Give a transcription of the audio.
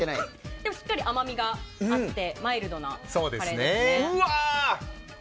しっかり甘みがあってマイルドなカレーですね。